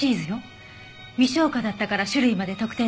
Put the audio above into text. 未消化だったから種類まで特定出来たの。